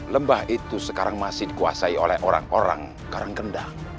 lembah itu sekarang masih dikuasai oleh orang orang karangkendang